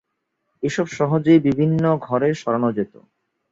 এসব সহজেই বিভিন্ন ঘরে সরানো যেত।